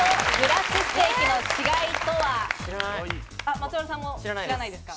松丸さんも知らないですか？